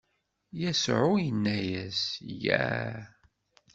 Yasuɛ inna-as: Yya!